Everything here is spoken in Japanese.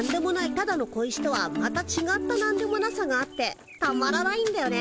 ただの小石とはまたちがったなんでもなさがあってたまらないんだよね。